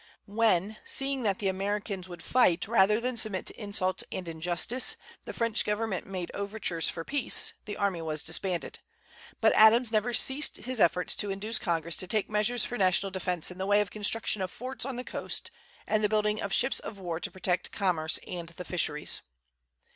When, seeing that the Americans would fight rather than submit to insult and injustice, the French government made overtures for peace, the army was disbanded. But Adams never ceased his efforts to induce Congress to take measures for national defence in the way of construction of forts on the coast, and the building of ships of war to protect commerce and the fisheries.